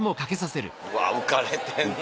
うわ浮かれてんな。